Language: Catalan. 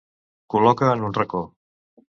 Col·loca en un racó.